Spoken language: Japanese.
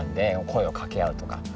声をかけ合うとか。